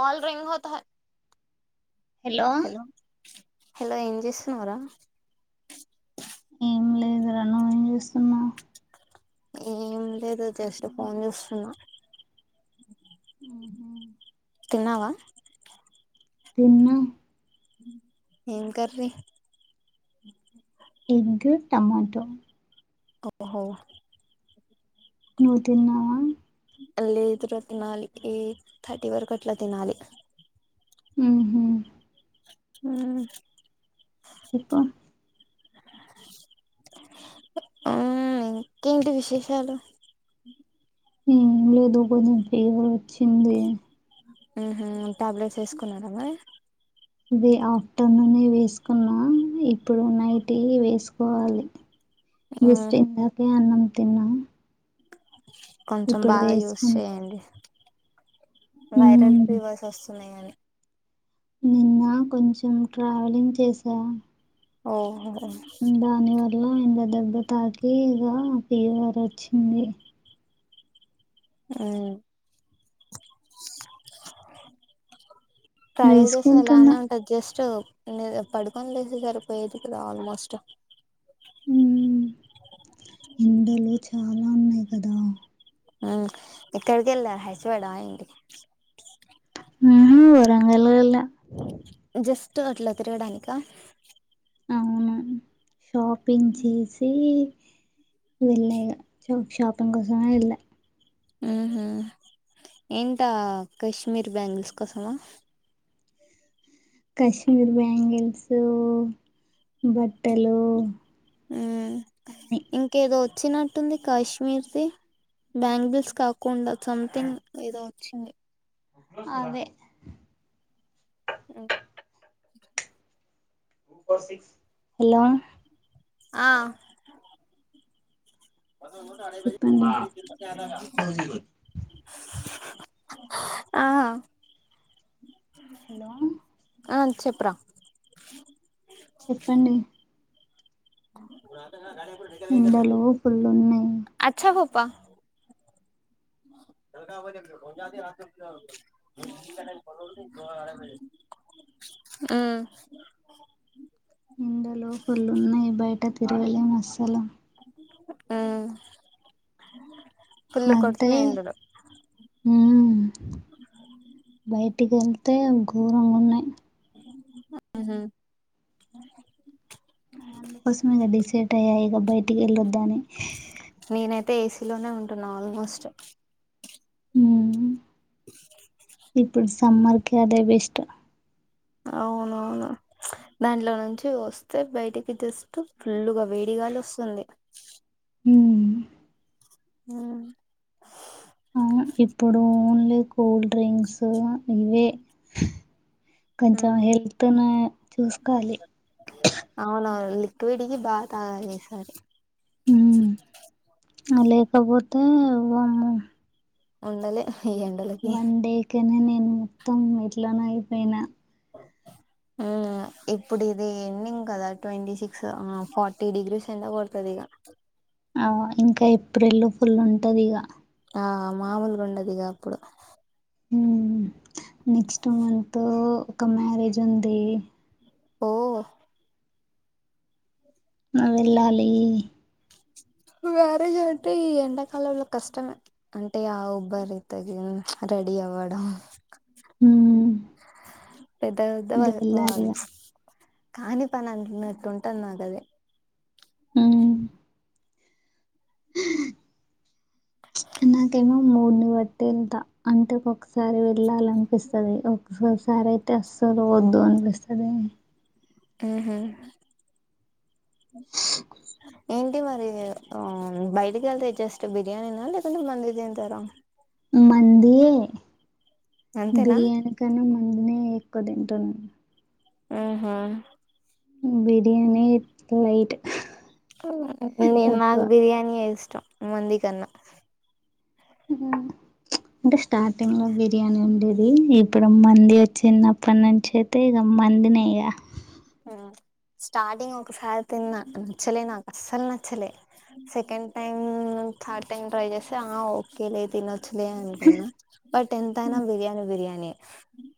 Call ring హోత హె hello hello ఏం చేస్తున్నావ్రా ఏం లేదు రణాం చేూస్తున్నావు ఏం లేదు జస్ట్ ఫోన్ చూస్తున్న ఆహ తన్నావ తిన్న ఏం కర్రీ ఎగ్ టమాటో ఒయ్ హో నువ్ తిన్నావ లేదురా తినాలి ఎయి థర్టీ వరకు అట్ల తినాలి ఊహు మ్ చెప్పు ఉమ్ ఇంకేంటి విశేషాలు ఏం లేదు కొంచెం ఫీవర్ వచ్చింది ఉహు టాబ్లెట్స్ వేసుకున్నార మరి ఇది ఆఫ్టర్నూన్ వేసుకున్నా ఇప్పుడు నైట్ ఇవి వేసుకోవాలి మ్మ్ జస్ట్ ఇందాకే అన్నం తిన్నా కొంచం ఇప్పుడు బాగ యూస్ వేసుకుంటా చేయండి ఉమ్ వైరల్ ఫీవర్స్ వస్తున్నాయి అని నిన్న కొంచెం ట్రావెలింగ్ చేసా ఓహో దాని వల్ల ఎండ దెబ్బ తాట్కి ఇగా ఫీవర్ వచ్చింది ఉమ్ ట్రావెల్ చేసై వేసుకుంటున్నా అలానే ఉంటది జస్ట్ లేద పడుకొనలేసి సరిపోయేది కదా ఆల్మోస్ట్ ఉమ్ ఎండలు చాలా ఉన్నాయి కదా అ ఇక్కడికి వెళ్ళా హైస్వాేడ అడి మ్ రంగల్లో వెళ్ళా జస్ట్ అట్ల తిరగడానిిక అవును షాపింగ్ చేసి వెళ్ళా ఇగ షాపిింగ్ కోసమే వెళ్ళా ఊహు ఏంటా కశ్మీర్ బ్యాంగిల్స్ కోసమా కశ్మీర్ బ్యాంగిల్సు బట్టలు అ అన్నీ ఇంకేదో వచ్చినట్టుంది కాశ్మీర్దిి బ్యాంగిల్స్ కాకుండా సంథింగ్ ఏదో ఛ అవె [unintelligible] హలో ఆ చెప్పండి [unintelligible] ఆ హలో చెప్పురా చెప్పండి ఎండలు పుల్లున్నాయి. ప్ప ఉ ఎజ రా అడ ఉమ్ ఎండ లు పులున్నాయి బయట తిరగలేం అస్సలు ఉమ్ మద్దే ఉమ్ బయటికి కేళ్తే ఘోరంగా ఉన్నాయి. ఆహ అందుకోసం ఇక డిసైడ్ అయ్యా ఇక బయటికి వెళొద్దని నేనైతే ఏసీలోనే ఉంటున్నా ఆల్మోస్ట్ ఉమ్ ఇప్పుడు సమ్మర్ కి అదే బెస్ట్ అవునవును దాంట్లో నుంచి వస్తే బయటికి జస్ట్ ఫుల్గా వేడి గాలోస్తుంది ఉమ్ ఉమ్ ఇప్పుడు ఓన్లీ కూల్ డ్రింక్స్ ఇవే కొంచెం మ్మ్ హెల్త్ను చూసుకోవాలి అవునవును లిక్విడ్ కి బాగా తాగా ఈసారి మ లేకపోతే వామ్మో ఉండలేం ఈయ్యండలకి అకనే నేను మొత్తం ఎట్లోనో అయిపోయిన అ ఇప్పుడు ఇది ఎండింగ్ కదా ట్వంటీ సిక్స్ ఫార్టీ డిగ్రీస్ ఎంత కొడుతుంది ఇగ ఆ ఇంకా ఏప్రిల్ ఫుల్ ఉంటదిగ ఆ మామూలుగాండదిగా అప్పుడు నెక్స్ట్ మంతంత్ ఒక మ్యారేజ్ ఉంది ఓ వెళ్ళాలి వ్మ్యారేజ్ అంటే ఈ ఎండాకాలంలో కష్టమే అంటే ఆ ఉబ్బ రీ తగి అ రెడి అవడం ఉమ్ పెద్ద పెద్దా ఇంక వెళ్ళాలి ఇగ కానీ పని అంటున్నట్టు ఉంటుంది నాకు అద ఉమ్ నాకేమో మూడుని బట్టేతా అంటే ఒకసారి వెళ్ళాలనిపిస్తుంది ఒకసారి సారా అయితే అస్సలు వద్దు అనిపిస్తది ఉంహ ఏంటి మరి బయటికి కేళ్తే జస్ట్ బిర్యానీనా లేకుంటే మంది తింటారా మండి అంతేనా బిర్యానీ కన్నా అందునే ఎక్కువ తింటునం ఆహా బిర్యానీ లైట్ నేను నాకు తక్కువ బిర్యానీ ఏ ఇష్టం మండి కన్నా ఉ అంటే స్టార్టింగ్ లో బిర్యానీ ఉండేది ఇప్పుడు మండి వచ్చిన్నప్పటి నుంచి అయితే ఇగ మందినే ఇగా ఆ స్టార్టింగ్ ఒకసారి తిన్నా నచ్చలే, నాకు అస్సలు నచ్చలే second time thought time try చేస్తే ఆ ఓకేలే తినొచ్చులే అనుకున్న బట్ ఎంత అయినా బిర్యానీ బిర్యానీ, నే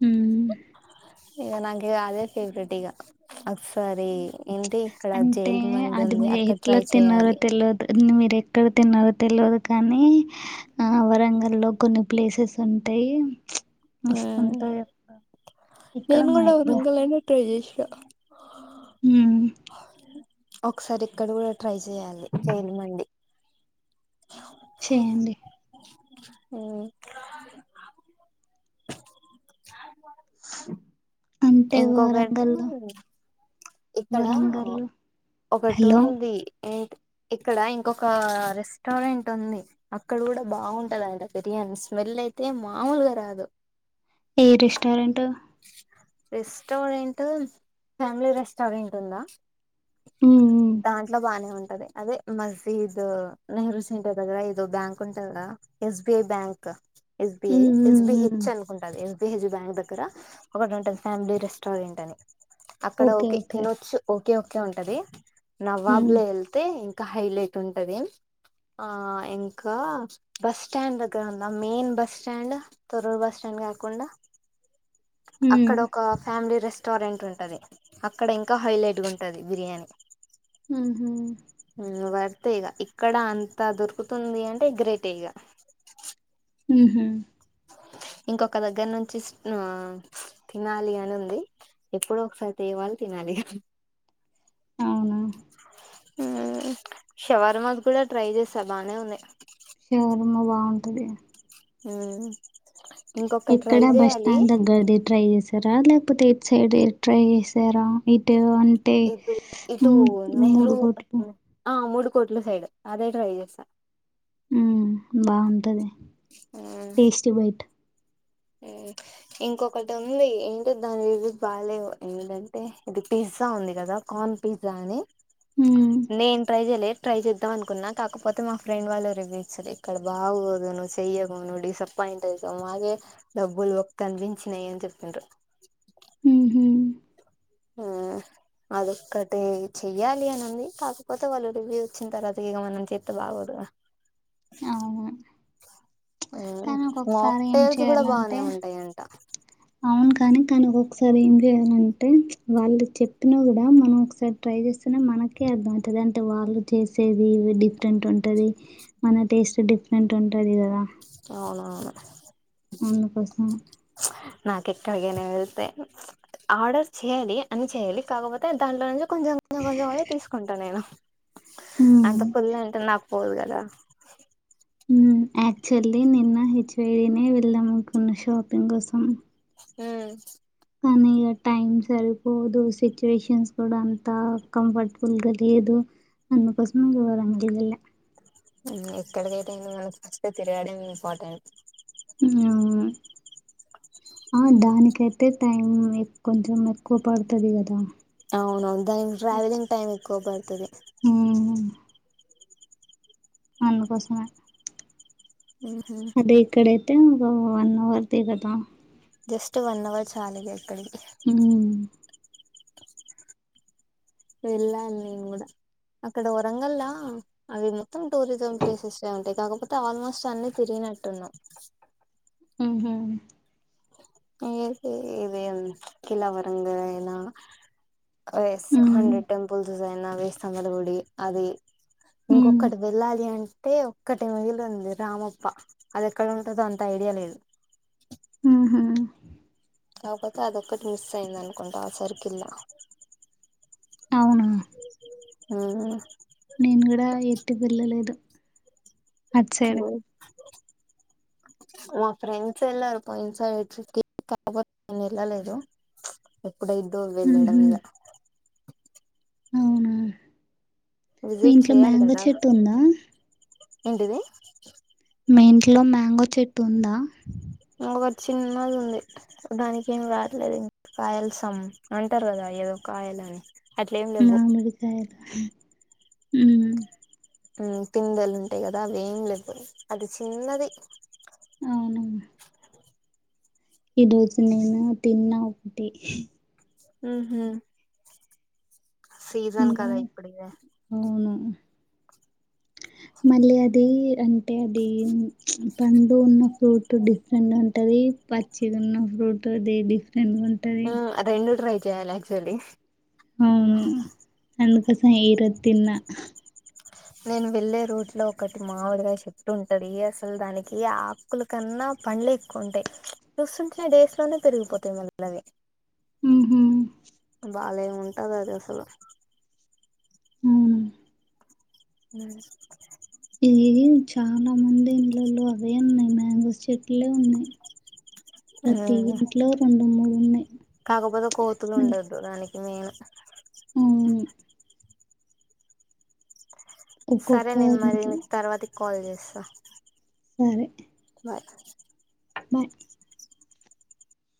హు ఇగా నాకు అదే ఫేవరెట్ ఇగా ఒక్సారి అంటే అది మీరు అక్కడ ఎట్లా ట్రై తిన్నారో చేయాలి తెల్వద్ నువ్ మీరు ఎక్కడ తిన్నారో తేల్వదు కానీ ఆ వరంగల్ లో కొన్ని ప్లేసెస్ ఉంటాయి. ఆ మస్తుంటాయి ఇక్కడ నేను మా కూడా అబ్బా వరంగల్లానే ట్రై చేశ్నా హు ఒకసారి ఇక్కడ కూడా ట్రై చేయ్యాలి ట్రైన్ మండి చెయ్యండి ఉ అంటే ఇంకొకటి వరంగల్లో ఇక్కడ వరంగల్లో ఒకటి హలో ఉంది ఏంటి ఇక్కడ ఇంకొక రెస్టారెంట్ ఉంది అక్కడ కూడా బాగుంటది అంట బిర్యానీ స్మెల్ స్మిల్ అయితే మామూలుగా రాదు ఏ రెస్టోారెంటు రెస్టారెంట్ ఫ్యామిలీ రెస్టారెంట్ ఉందా, ఉమ్ దాంట్లో బానే ఉంది. అదే అదే మసీద్ నెహ్రూ సెంటర్ దగ్గర ఏదో బ్యాంక్ ఉంటది, గా S B I bank S B I ఉమ్ ఉమ్ ఎస్ ఉమ్ బి ఉమ్ హెచ్ అనుకుంట అది ఎస్ బి హెచ్ బ్యాంక్ దగ్గర, ఒకటి ఉంటది ఫ్యామిలీ రెస్టారెంట్ అని అక్కడ ఓకే తినొచ్చు ఓ ఓకే ఓకే ఉంటది నవాబ్ ఉమ్ లో వెళ్తే ఇంకా హైలైట్ ఉంటది. ఆ ఇంకా బస్ స్టాండ్ దగ్గర ఉందా main bus stand Thorrur bus stand, కాకుండా ఉమ్ అక్కడ ఒక ఫ్యామిలీ రెస్ రెస్టారెంట ఉంటది అక్కడ ఇంకా హైలైట్ గా ఉంటది బిర్యానీ, ఉహు త్తేగ ఇక్కడ అంత దొరుకుతుంది, అంటే గ్రేటె ఇగా ఉహు ఇంకొక దగ్గర నుంచి తినాలి అని ఉంది ఎప్పుడు ఒకసారి తేవాలి తినాలి అవునా షవారమాస్ కూడా ట్రై చేశ బానే ఉన్నాయి. శవర్మ బాగుంటది. ఉ ఎక్కడ బస్ స్టాండ్ దగ్గరది ట్రై చేసా రా లేకపోతే ఎటు సైడ్ ట్రై చేసారా ఇటు అంటే ఇటు ఇటు నెహ్రూ మూడుకోట్లు ఆ మూడు కోట్ల సైడ్ అదే ట్రై చేసా బాగుంటది టేస్టీ బయట్ ఇంకొకటి ఉంది ఏంటి దాని బాగాలేవు ఏంటంటే ఇది, పిజ్జా ఉంది కదా కార్న్ పిజ్జా అని హ్మ్ నేను ట్రై చేయలే ట్రై చేద్దాం అనుకున్నా కాకపోతే మా ఫ్రెండ్ వాళ్ళు రివ్యూ ఇచ్చారు ఇక్కడ బాగోదు నువ్వు చెయ్యవు నువ్ డిసప్పయింట్ పాయింట్ చెస్ మాదే డబ్బులు బొక్క అనిపించినయి అని చెప్పారు ఉహు ఆ అదొక్కటి చెయ్యాలి అనింది కాకపోతే వాళ్ళు రివ్యూ వచ్చిన తర్వాత ఇగ మనం చేస్త బాగోదు ఆ అవును కానీ ఒకొకసారి ఏం మాక్టైల్స్ కూడా బానే చేయాలంటే ఉంటాయంట అవును కాని కానీ ఒకసారి ఏం చేయాలంటే వాళ్ళు చెప్పినా కూడా మనం ఒకసారి ట్రై ఎద్చేస్కున్న మనకే అర్ధమవుతాది అంటే వాళ్ళు చేసేది డిఫరెంట్ ఉంటది మన టేస్ట్ సో డిఫరెంట్ ఉంటుంది కదా అవునవును అందుకోసమే నాకు ఎక్కడిగానా వెళ్తే ఆర్డర్ చేయ్యాలి అన్ని చెయాలి కాకపోతే దాంట్లో నుంచి కొంచెం కొం కొంచెం తీసుకుంటాను నేను హ్మ్ అంత ఫుల్ అంటే నాకు పోదు కదా ఉమ్ యాక్చువల్లీ నిన్న హెవైడినే వెళ్దాకున్న షాపింగ్ కోసం ఆ కానీ ఇగ టైమ్ సరిపోదు సిచ్యువేషన్స్ కూడా అంత కంఫర్టబుల్గా లేదు అన్నకోసమే యూవరన్ వెళ్ళేలా ఉమ్ ఎక్కడికైతే ఏంది మనకి ఫస్ట్ తిరుగాడం ఇంపార్టెంట్ ఆ ఆ దానికైతే టైం కొంచెం ఎక్కువ పడుతది కదా అవును దానికి ట్రవెలింగ్ టైమ్ ఎక్కువ బడుతది హ్మ్మ్ అందుకోసమే ఉహు ట్టు ఆ వన్ అవర్దే కదా జస్ట్ వన్ అవర్ చాలేదే ఎక్కడికి ఉమ్ వెళ్ళాను నేను కూడా అక్కడ వరంగల్లా అవి మొత్తం టూరిజం ప్లేసెస్సే ఉంటాయి కాకపోతే ఆల్మోస్ట్ అన్ని తిరిగి నట్టునావ్ ఉహు ఇది ఇదే కీలా వరంగ ఎలా వేస్ ఉమ్ హండ్రెడ్ టెంపుల్స్యినా వెయ్యి స్తంభాల గుడి అది ఉమ్ ఇంకొకటి వెళ్ళాలి అంటే ఒక్కటి మిగిలింది రామప్ప అది ఎక్కడ ఉంటదో అంత ఐ అయ్యే లేదు ఉహు కాపోతే అదొక్కటి మిస్ అయింద అనుకుంటా ఆ సరుకిల్లా అవునా ఆ నేను కూడా ఎత్తి పిళ్ళలేదు హ్మ్మ్ మా ఫ్రెండ్స్ ఏళ్ళరు పోయినా సారీ నేను ఏళ్ల లేదు ఎప్పుడైద్దో వెళ్ళడం ఉహు ఇగ అవునా మీ విజిట్ ఇంట్లో చేయాలి మ్యాంగో కదా చెట్టు ఉందా ఏంటిది మీ ఇంట్లో మ్యాంగో చెట్టు ఉందా ఇంకోటి చిన్నది ఉంది దానికి ఏమి రావట్లేదు ఇం కాయల్సాం అంటారు కదా ఏదో కాయాల అట్లే ఏం లేవ్వు మామిడికాయలు ఉమ్ పిందలు ఉంటాయి కదా అవి ఏం లేకపోయి అది చిన్నది అవున ఈ రోజు నేను తిన్నా ఒకటి ఉహ్మ్ సీసన్ కదా మా- ఇప్పుడిదే అవును మళ్ళీ అది అంటే అది పండు ఉన్న ఫ్రూట్ డిఫరెంట్ ఉంటది పచ్చి ఉన్న ఫ్రూట్ అది డిఫరెంట్ ఉంటది లక్సడి అవును అందుకోస ఇరు తిన్న నేను వెళ్ళే రూట్ లో ఒకటి మామిడిగా చెట్టు ఉంటాది అసలు దానికి ఆకుల కన్నా పండ్లు ఎక్కువ ఉంటాయి చూస్తుంటనే డేస్ లోనే పెరిగిపోతాయి మళ్ళీ అవి ఉహ్మ్ ఉంటద అదసలు ఉమ్ ఉమ్ ఏ చాలా మంది ఇంట్లలో అవే ఉన్నాయి మ్యాంగోస్ చెట్లే ఉన్నాయి ప్రతి ఇంట్లో రెండు మూడు ఉన్నాయి కాకపోతే కోతులు మళ్ళీ ఉండదు దాని ఇమి అవును సరే ఒక్కొక్క నేను ఇంట్లో మల్లిమీకు తర్వాత కాల్ చేస్తా సరే ఆ బాయ్